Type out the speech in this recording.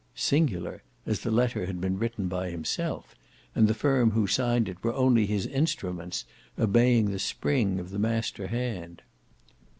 Singular! as the letter had been written by himself, and the firm who signed it were only his instruments, obeying the spring of the master hand.